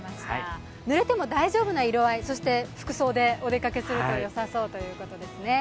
ぬれても大丈夫な色合い、服装でお出かけするとよさそうですね。